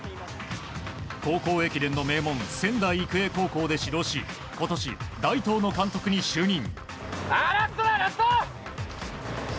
高校駅伝の名門仙台育英高校で指導し今年、大東の監督に就任。